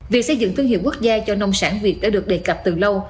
việc xây dựng thương hiệu quốc gia cho nông sản việt đã được đề cập từ lâu